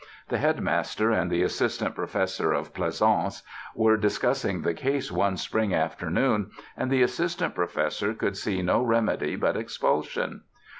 The Headmaster and the Assistant Professor of Pleasaunce were discussing the case one spring afternoon and the Assistant Professor could see no remedy but expulsion.